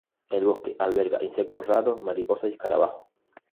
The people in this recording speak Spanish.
El bosque alberga insectos raros, mariposas y escarabajos.